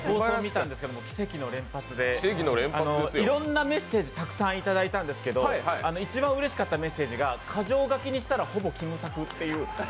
奇跡の連発で、いろんなメッセージたくさんいただいたんですけど一番うれしかったメッセージが、箇条書きにしたらほぼキムタクっていう。